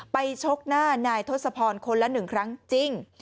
ชกหน้านายทศพรคนละ๑ครั้งจริง